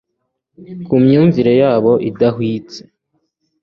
ku myumvire yabo idahwitse